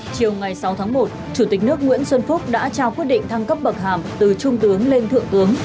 chiều ngày sáu tháng một chủ tịch nước nguyễn xuân phúc đã trao quyết định thăng cấp bậc hàm từ trung tướng lên thượng tướng